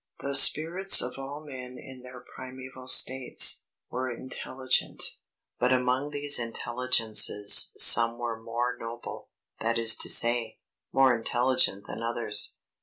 The spirits of all men in their primeval states, were intelligent. But among these intelligences some were more noble, that is to say, more intelligent than others.